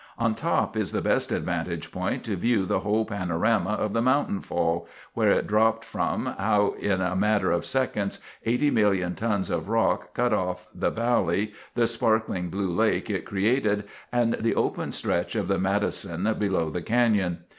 On top is the best vantage point to view the whole panorama of the mountain fall—where it dropped from, how in a matter of seconds 80 million tons of rock cut off the valley, the sparkling blue lake it created, and the open stretch of the Madison below the canyon.